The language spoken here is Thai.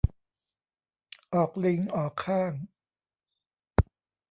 ออกลิงออกค่าง